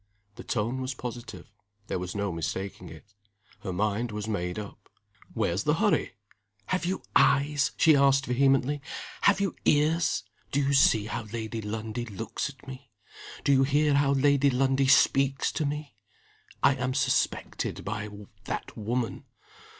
The tone was positive. There was no mistaking it. Her mind was made up. "Where's the hurry?" "Have you eyes?" she asked, vehemently. "Have you ears? Do you see how Lady Lundie looks at me? Do you hear how Lady Lundie speaks to me? I am suspected by that woman.